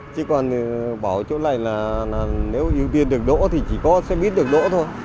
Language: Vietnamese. chứ còn bảo chỗ này là nếu ưu tiên được đỗ thì chỉ có xe bít được đỗ thôi